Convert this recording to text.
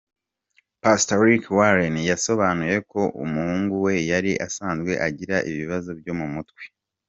Pastor Rick Warren yasobanuye ko umuhungu we yari asanzwe agira ibibazo byo mu mutwe.